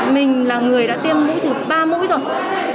mình là người đã tiêm mũi thử ba mũi rồi